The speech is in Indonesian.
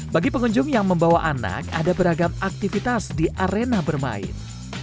bagi pengunjung yang membawa anak ada beragam aktivitas di arena bermain